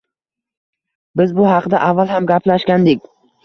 Biz bu haqda avval ham gaplashgandik.